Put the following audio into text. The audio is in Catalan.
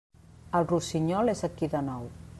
El rossinyol és aquí de nou.